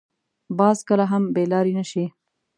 باز کله هم بې لارې نه شي